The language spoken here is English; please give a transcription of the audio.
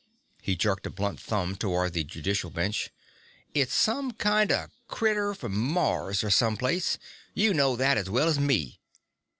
He jerked a blunt thumb toward the judicial bench. "It's some kind of critter from Mars or someplace you know that as well as me!